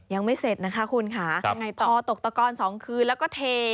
ยังไม่เสร็จนะคะคุณค่ะยังไงต่อพอตกตะกอน๒คืนแล้วก็เท